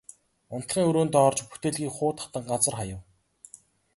Унтлагын өрөөндөө орж бүтээлгийг хуу татан газар хаяв.